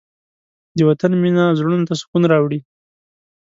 د وطن مینه زړونو ته سکون راوړي.